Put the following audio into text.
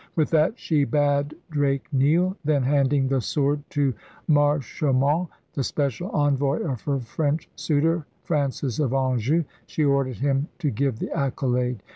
With that she bade Drake kneel. Then, handing the sword to Marchaumont, the special envoy of her French suitor, Francis of Anjou, she ordered him to give the accolade.